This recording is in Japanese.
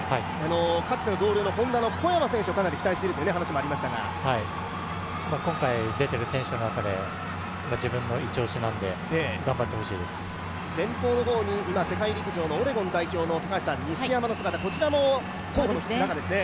かつての同僚のＨｏｎｄａの小山選手を期待しているというのがありましたが、今回出ている選手の中で自分の一押しなので、前方に今、世界陸上のオレゴン代表の西山の姿、こちらも注目ですね。